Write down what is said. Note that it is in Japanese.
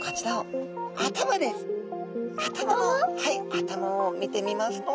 頭を見てみますと。